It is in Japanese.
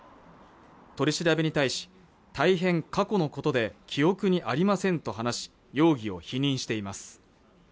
取り調べに対し大変過去のことで記憶にありませんと話し容疑を否認しています